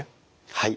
はい。